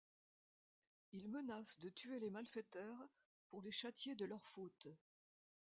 Il menace de tuer les malfaiteurs pour les châtier de leurs fautes.